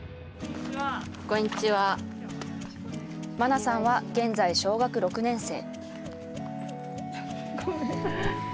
茉奈さんは現在、小学６年生。